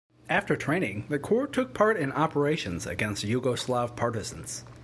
After training, the corps took part in operations against Yugoslav partisans.